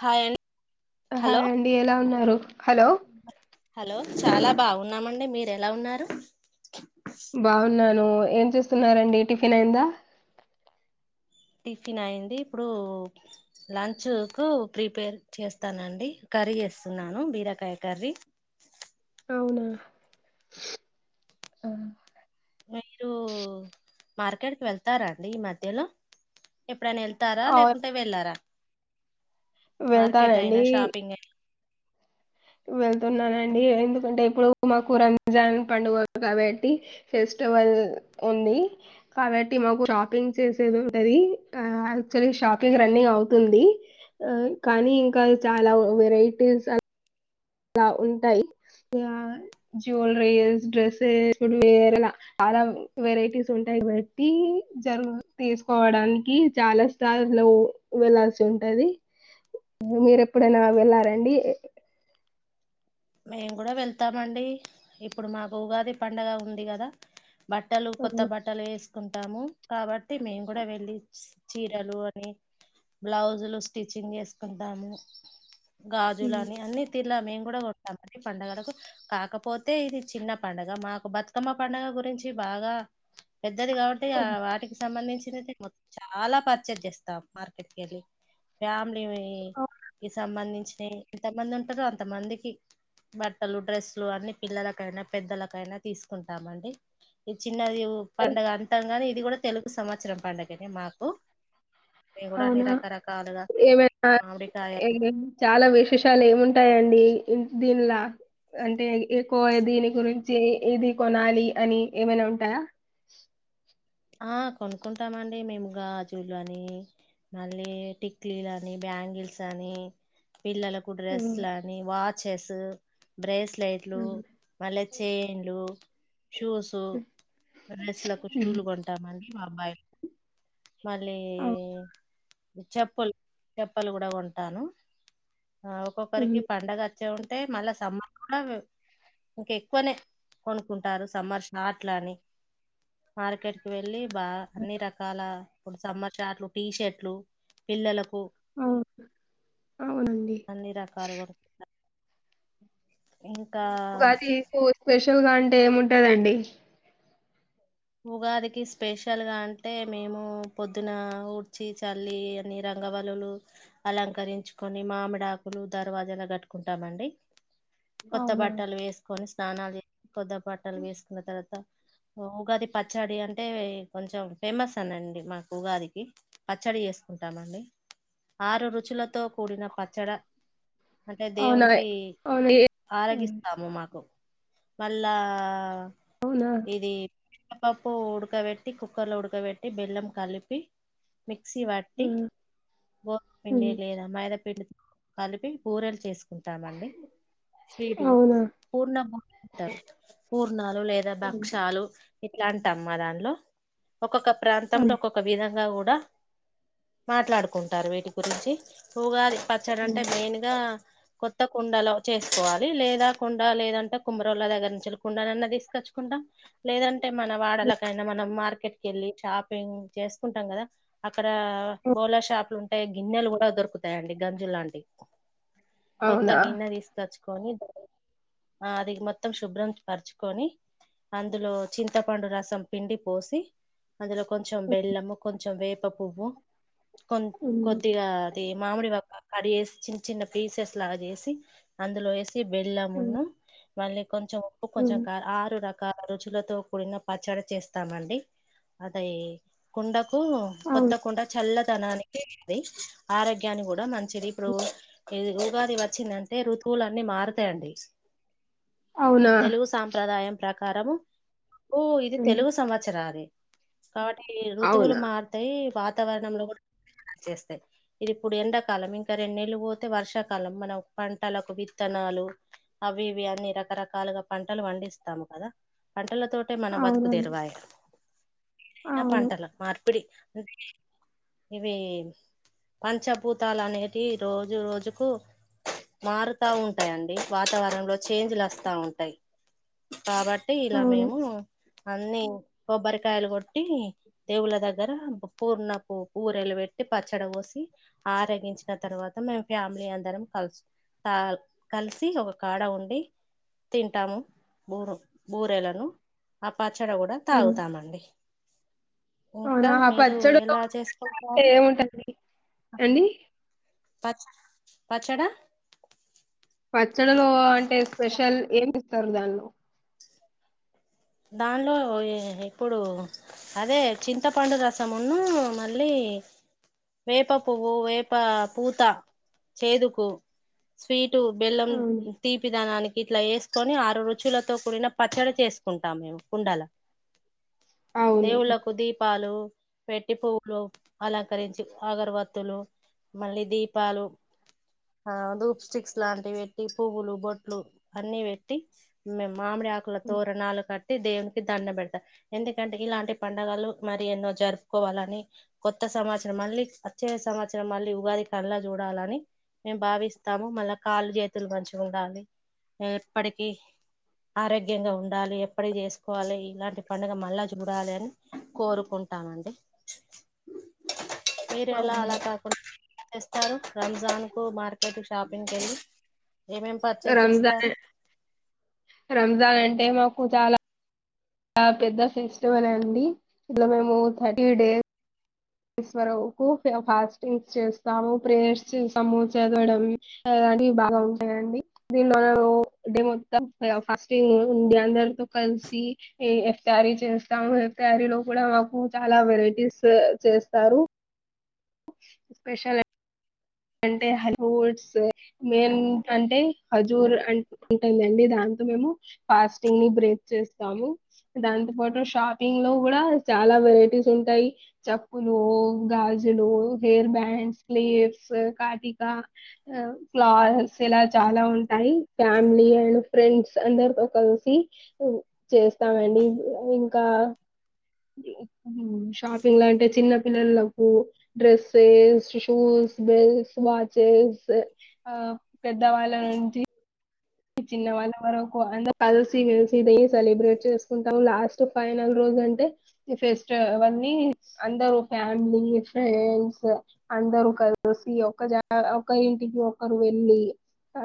Hi hello hi అండి ఎలా ఉన్నారు హలో హలో చాలా బాగున్నామండి మీరు ఎలా ఉన్నారు బాగున్నాను ఏం చూస్తున్నారండి టిఫిన్ అయిందా టిఫిన్ అయింది ఇప్పుడు లంచ్ కు ప్రిపేర్ చేస్తానండి కర్రీ చేస్తున్నాను బీరకాయ కర్రీ అవునా మీరు మార్కెట్కి వెళ్తారాండి ఈ మధ్యలో ఎప్పుడైన వెళ్తారా అవు లేకుంటే వెళ్ళారా మార్కెట్ వెళ్తానండి అయినా షాపింగ్ అయినా వెళ్తున్నానండి ఎందుకంటే ఇప్పుడు మాకు రంజాన్ పండుగలు కాబట్టి ఫెస్ వల్ ఉంది కాబట్టి మాకు షాపింగ్ చేసేది ఉంటది యాక్చువలీ షాపింగ్ రన్నింగ్ అవుతుంది కానీ ఇంకా చాలా వెరైటీస్ లా ఉంటాయి జ్యువెలరీస్ డ్రెస్సెస్ లేహంగా వేరలా చాలా వెరైటీస్ ఉంటాయి బట్టి జరుగు తీసుకోవడానికి చాలా స్టార్ లో వెళ్లాల్సి ఉంటాది మీర ఎప్పుడైనా వెళ్ళారండి మేము కూడా వెళ్తామండి ఇప్పుడు మాకు ఉగాది పండగ ఉంది కదా బట్టలు కొత్త బట్టలు వేసుకుంటాము కాబట్టి మేము కూడా వెళ్ళి చీరలు అని బ్లౌజులు స్టిచ్చింగ్ చేసుకుంటాము గాజులు అని అన్ని తీర్ల మేము కూడా కొ టి పండుగలకు కాకపోతే ఇది చిన్న పడుగ మాకు బతుకమ్మ పండుగ గురించి బాగా పెద్దది కాబట్టి వాటికి సంబంధించి త్తం చాలా పర్చేస్ చేస్తాం మార్కెట్ వెళ్ళి ఫ్యామిలీ కి ఇ సంబంధించినయి ఎంతమంది ఉంటారు అంత మందికి బట్టలు డ్రెస్లు అన్ని పిల్లలకైనా పెద్దలకైనా తీసుకుంటామండి చి చిన్నది పండుగ అంటం గాని ఇది కూడా తెలుగు సంవత్సరం పండుగనే మాకు మేము కూడా అన్ని అవునా రకరకాలుగా ఏమైనా మామిడికాయ చాలా విశేషాలు ఏముంటాయండి దీనిలా అంటే ఎక్కువ దీని గురించి ఇది కొనాలి అని ఏమైనా ఉంటాయా ఆ కొనుక్కుంటామండి మేము గాజులు అని మళ్ళీ టిక్లీలు అని బ్యాంగిల్స్ అని పిల్లలకు డ్రెస్ ఉమ్, లేని వాచెస్ బ్రేస్లె స్లైట్లు ఉమ్, మళ్ళీ చైన్లు షూస్ బాయ్స్లకు షూస్ ఉమ్, లు కొంట అ అబ్బాయి మళ్ళీ అవు- చెప్పులు చెప్పలు కూడా కొంటాను ఒక్కొక్కరికి ఉమ్, పండుగ వచ్చ ఉంటే మళ్ళా సమ్మర్ కూడా ఇంకెక్కువనే కొనుకుంటారు సమ్మర్ షాట్లని మార్కెట్ వెళ్ళి బా అన్ని రకాల సమ్మర్ షాట్లు టీ షర్ట్లు పిల్లలకు అవు- అవునండి అన్ని రకాల ఉగాదికు స్పెషల్ గా అంటే ఏముంటదండి ఉగాదికి స్పెషల్ గా అంటే మేము పొద్దున ఊడ్చి చల్లి అన్నీ రక గవలలు అలంకరించుకొని మామిడాకులు దర్వాజలాకు కట్టుకుంటామండి కొత్త అవునా బట్టలు వేసుకొని స్నానాలు కొత్త బట్టలు వేసుకున్న తర్వాత ఉగాది పచ్చడి అంటే కొంచెం ఫేమస్ అనండి మాకు ఉగాదికి పచ్చడి చేసుకుంటామండి ఆరు రుచులతో కూడిన పచ్చడ అంటే అవునా దేవునికి అవును ఏ ఉమ్. ఆరగిస్తాము మాకు మళ్ళా అవునా ఇది శనగపప్పు ఉడకబెట్టి కుక్కర్ లో ఉడకబెట్టి బెల్లం కలిపి మిక్సీ పట్టి ఉమ్. గోదుమ పిండి ఉమ్. లేదా మైదాపిండి కలిపి బూరెలు చేసుకుంటామండి స్వీట్ అవునా పూర్ణం బూరెలు అంటారు పూర్ణాలు లేదా ఉమ్. భక్షాలు ఇట్లా అంటం మా దానిలో ఒక్కొక్క ప్రాంతంలో ఒక్కొక్క విధంగా కూడా కూడా మాట్లాడుకుంటారు వీటి గురించి ఉగాది పచ్చడి అంటే ఉమ్. మెయిన్ గా కొత్త కుండలో చేసుకోవాలి లేదా కుండ లేదంటే కుమ్మరళ దగ్గర నుంచి కుండన్న తీసుకొచ్చ తెచ్చుకుంటాం లేదంటే మన వాడలకైనా మనం మార్కెట్ కెళ్ళి షాపింగ్ చేసుకుంటాం కదా అక్కడ బోలా షాప్ గిన్నెలు కూడా దొరుకుతాయండి గంజు లాంటి కొత్త అవునా గిన్నె తీసుకొచ్చు ఆ అది మొత్తం శుభ్రం పరుచుకొని అందులో చింతపండు రసం పిండి పోసి అందులో కొంచెం బెల్లము కొంచెం వే వేప పువ్వు కొం ఉమ్. కొద్దిగా అది మామిడి పక్క కట్ చేేసి చిన్న చిన్న పీసెస్ లాగా చేసి అందులో వేసి బెళ్ళమున్న మళ్ళీ కొంచెం కొంచెం ఉమ్. ఆరు రకాల రుచులతో కూడిన పచ్చడి చేస్తామండి అదీ కుండకు కొత్త అవును కుండ చల్ల దనానికి ఇది ఆరోగ్యానికి కూడా మంచిది ఇప్పుడు ఉగాది వచ్చిందంటే ఋతువులన్నీ మారుతాయండి అవునా తెలుగు సాంప్రదాయం ప్రకారము ఓ ఇది ఉమ్. తెలుగు సంవత్సర కాబట్టి ఋతువులు అవునా మారతాయి వాతావరణంలో కూడా చేస్తాయి ఇది ఇప్పుడు ఎండాకాలం ఇంకా రెంనెళ్లు పోతే వర్షాకాలం మనం పంటలకు విత్తన [unintelligible] అవి ఇవి అన్ని రకరకాలుగా పంటలు పండిస్తాము కదా పంటలతో ట్టే మన బతుకు అవునండి దెరువాయ ఏదైనా అవును పంటలు మార్పిడి అంటే ఇవి పంచభూతాలు అనేటి రోజు రోజుకు మారుతా ఉంటాయండీ వాతావరణంలో చేంజ్లు వస్తా ఉంటాయి కాబట్టి ఇలా అవును మేము అన్నీ కొబ్బరికాయలు కొట్టి దేవుళ్ల దగ్గర పూర్ణపు బూరెలు పెట్టి పెట్టి పచ్చడ పోసి ఆరగించిన తర్వాత మేము ఫ్యామిలీ అందరం కలుసు అంతా కలిసి ఒక కాడ ఉండి తింటాము బూ బూరేలను ఆ పచ్చడి కూడా ఉమ్. తాగుతామండి అవునా ఇంకా ఆ మీరు పచ్చడి లో ఎలా చేసుకుంటారు ఏముంటుంది అండి పచ్చ పచ్చడ పచ్చడిలో అంటే స్పెషల్ ఏమి ఇస్తారు దానిలో దానిలో ఇప్పుడు అదే చింతపండు రసమును మళ్ళీ ఏ వేప పువ్వు వేప పూతా చేదుకు స్వీట్ టు బెల్లం అవును తీపిదానానికి ఇట్లా వేసుకొని ఆరు రుచులతో కూడిన పచ్చడి చేసు కుంటామ మేము కుండల అవును దేవుళ్ళలకు దీపాలు పెట్టి పువ్వులు అలంకరించి అగరవత్తులు మళ్ళీ దీపాలు ఆ డూప్ స్టిక్స్ లాంటివి పెట్టి పువ్వులు బొట్లు అన్ని పెట్టి మే మామిడి ఆకుల తోరు కట్టి దేవునికి దండ పెడతారు ఎందుకంటే ఇలాంటి పండగలు మరి ఎన్నో జరుపుకోవాలని కొత్త సంవత్సరం మళ్ళీ వచ్చే సంవత్సరం మళ్ళీ ఉగాది కళ్లా చూడాలని మేము భావిస్తాము మళ్ళా కాళ్ళు చేతులు మంచిగా ఉండాలి ఎప్పటికీ ఆరోగ్యంగా ఉం డాలి ఎప్పటి జేసుకోవాలి ఇలాంటి పండుగ మళ్ళ చూడాలి అని కోరుకుం టామండి మీరు ఎలా అవునా అలా కాకుండా తెస్తారు రంజాన్ కు మార్కెట్ షాపింగ్ కెళ్ళి రంజాన్ రంజాన్ అంటే మాకు చాలా పెద్ద ఫెస్టివల్ అండి ఇట్లా మేము థర్టీ డేస్ వరకు ఫాస్టింగ్స్ చేస్తాము ప్రేయర్స్ చేస్తాము చదవడం అండి బాగా ఉంటాయండి దీనిలోల డే మొత్తం ఫాస్టింగ్ ఉండి అందరితో క లసి ఇఫ్తారీ చేస్తాము ఇఫ్తారీలో కూడా మాకు చాలా వెరైటీస్ చేస్తారు స్పెషల్ అంటే హైఫూట్స్ మెయిన్ అంటే ఖజూర్ అం ఉంటుందండి దాన్ మేము ఫాస్టింగ్ని బేక్ చేస్తాము. దాంతో పాటు షాపింగ్ లో గూడా చాలా వెరైటీస్ ఉంటాయి. చెప్పులు గాజులు హెయిర్ బ్యాండ్స్ క్లిప్స్ కాటికా స్లాస్ ఇలా చాలా ఉంటాయి. ఫ్యామిలీ అండ్ ఫ్రెండ్స్ అందరితో కలిసి చేస్తామండి. ఇంకా [inaudible] షాపింగ్లా అంటే చిన్న పిల్లలకు డ్రెస్సెస్ షూస్ బెల్స్ వాచేస్ ఆ పెద్దవాళ్ళ నుంచి చిన్న వాళ్ళ వరకు అందరు కలిసి మెలిసి ఇదీ సెలబ్రేట్ చేసుకుంటాము లాస్ట్ ఫైనల్ రోజు అంటే ఈ ఫెస్టివల్ అవన్నీ అందరూ ఫ్యామిలీ ఫ్రెండ్స్ అందరూ కలిసి ఒక జా ఒక ఇంటికి ఒకరు వెళ్ళి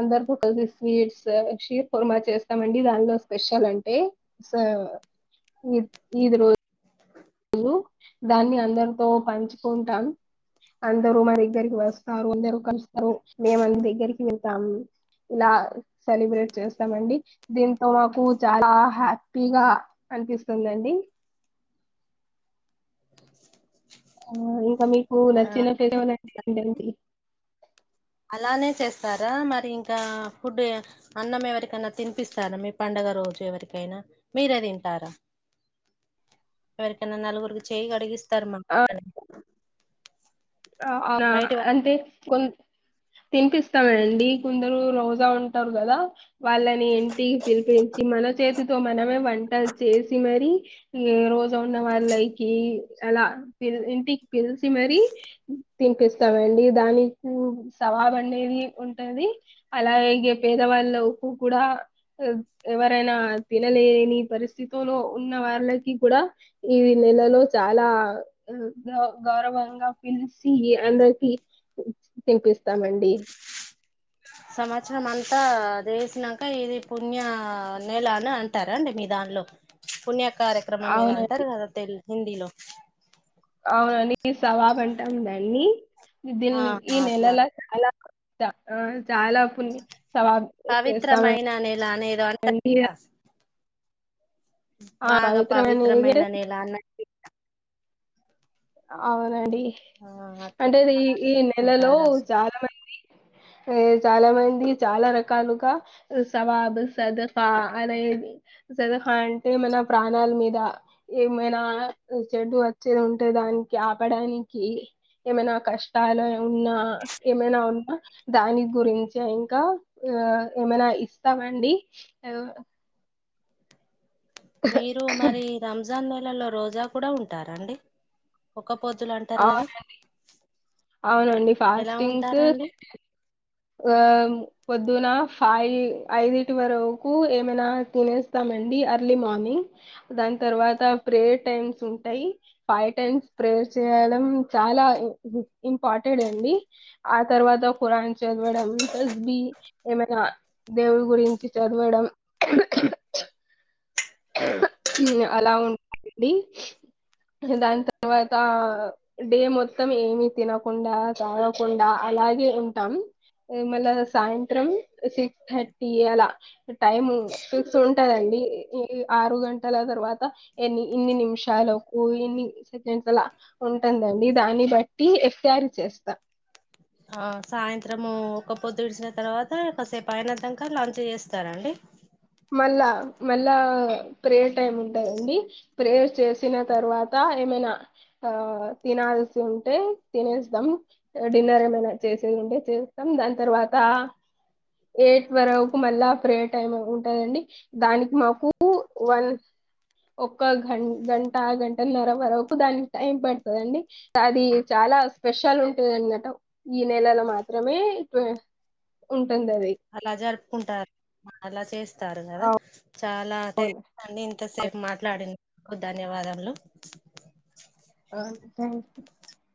అందరితో కలిసి స్వీట్స్ షీర్ కుర్మా చేస్తామండి దానిలో స్పెషల్ అంటే ఈద్ రోజు కో టాన్ అందరు మా దగ్గరికి వస్తారు. అందరు కలుస్తారు. మేమ్ అందరి దగ్గరికి వెళ్తారు. ఇలా సెలబ్రేట్ చేస్తామండి. దీంతో మాకు చాలా హ్యాపీగా, కనిపిస్తుందండి. [inaudible] ఆ ఇంకా మీకు ఆ నచ్చిన ఫెసివల్ ఏంటిదండి అలానే చేస్తారా మరి ఇంకా ఫుడ్ అన్నం ఎవరికన్నా తినిపిస్తారా మీ పండుగ రోజు ఎవరికైనా మీరే దింటారా ఎవరికైనా నలుగురికి చేయిగడిగిస్తారు మా ఆ అని ఆ అంతే కొ తినిపిస్తామండి కొందరు రోజా ఉంటారు గదా వాళ్ళని ఇంటికి పిలిపించి మన చేతి తో మనమే వంటలు చేసి, మరి రోజా ఉన్న వాళ్ళకి అలా ఇంటికి పిలిచి మరి తినిపిస్తామండి. దాని సవాబు అనేది ఉంటది అలాగే ఇగ పేదవాళ్ళకు కూడా ఎవరైనా తినలేని పరిస్థితులో ఉన్న వాళ్ళకి కూడా ఈ నెలలో చాలా గౌ గౌరవంగా పిలిసి అందరికి తినిపిస్తామండి సంవత్సరం అంతా జేసినాక ఇది పుణ్య నెల అని అంటార అండి మీ దానిలో పుణ్య కార్యక్రమం ఏదో అవునండి అంటారు గదా తె హిందీలో అవునండి సవాబు అంటాం దాన్ని ఆ దీని ఈ అట్లా నెలలో చాలా ఆ చాలా పుణ్య సవాబ్ చేస్తాము పవిత్రమైన నెల అనేదో అంటారు అండి కదా బాగా పవిత్రమైన నెల అన్న అవునండి ఆ అట్లా అంటే ఇది ఈ అలా ఈ నెలలో ఉంటారా చాలా మంది సే చాలా మంది చాలా రకాలుగా సవాబ్ సదఫా అనేది సధఫా అంటే మన ప్రాణాల్ మీద ఏమైనా చెడు వచ్చేది ఉన్ టె దానికి ఆపడానికి ఏమైనా కష్టాలు ఉన్నా ఏమైనా ఉన్నా దాని గురించి ఇంకా దా ఏమైనా ఇస్తామండి ఆ మీరూ మరి రంజాన్ నెలలో రోజా కూడా ఉంటారా అండి అవునండి ఎలా ఫాస్టింగ్స్ ఉంటారండి ఆ పొద్దున ఫై ఐదిటి వరకు ఏమైనా తినేస్తామన్ డి అర్లీ మార్నింగ్ దాని తర్వాత ప్రేయర్ టైమ్స్ ఉంటయి, ఫై టైమ్స్ ప్రే. చేయెలం చాలా ఇ ఇ ఇంపార్టెడ్ అండి ఆ తర్వాత ఖురాన్ చదవడం ఉంటది ఏమైనా దేవుడు గురించి చదవడం అలా ఉ [inaudible] అండి దాన్ తర్వాతా డే మొత్తం ఏమి తినకుండా తాగకుండా అ లాగే ఉంటాం ఏ మళ సాయంత్రం సిక్స్ థర్టీ అలా టైమ్ సిక్స్ ఉంటదండి ఈ ఆరు గంటల తర్వాత ఎన్ని ఇన్ని నిమిషాలకు ఇన్ని సెకండ్స్ లల ఉంటుందండి దాన్ని బట్టి ఇఫ్తియార్ చేస్తా ఆ సాయంత్రమూ ఒక్క పొద్దు ఇడిసిన తర్వాత కొస్సేపు అయిన దంక లంచ్ చేస్తార అండి మళ్ళా మళ్ళా ప్రేయర్ టైమ్ ఉంటదండి ప్రేయర్ చేసిన తర్వాత ఏమ ఇనా ఆ తినాల్సి ఉంటే తినేస్తం డిన్నర్ ఏమైనా చేసేదుంటే చేస్తం దాన్ తర్వాత ఎయిట్ వరకు మళ్ళా ప్రే టైమ్ ఉ టదండి దానికి మాకూ వన్ ఒక్క గన్ గంట గంటల్నర వరకు దానికి టైం పడుతదండి అది చా లా స్పెషల్ ఉంటందన్నట ఈ నెలలో మాత్రమే [unintelligible] అలా జరుపుకుంటార్ అలా చేస్తారు గదా చాలా థ్యాంక్ అండి ఇంతసేపు మాట్లాడి [inaudible] ధన్యవాదాలు. [unintelligible]